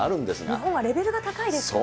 日本はレベルが高いですからね。